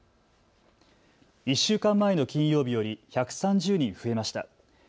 １週間前の金曜日より１３０人増えました。